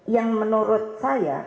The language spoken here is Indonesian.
yang menurut saya